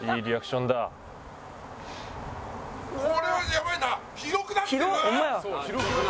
これはやばいな。